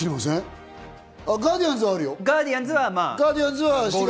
『ガーディアンズ』はあるよ。